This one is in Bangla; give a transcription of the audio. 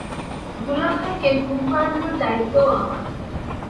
দুলাভাইকে ঘুম পাড়ানোর দায়িত্বও আমার।